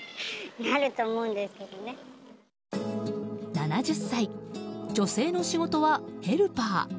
７０歳女性の仕事はヘルパー。